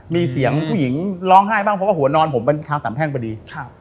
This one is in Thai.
มีเสียงผู้หญิงร้องไห้บ้างเพราะว่าหัวนอนผมเป็นชาวสามแพ่งพอดี